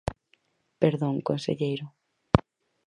Perdón, conselleiro.